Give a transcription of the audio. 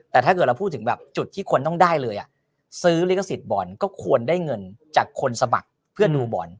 แต่ถ้าเกิดเราพูดถึงแบบจุดที่ควรต้องได้เลยซื้อลิขสิทธิ์บอลก็ควรได้เงินจากคนสมัครเพื่อดูบอล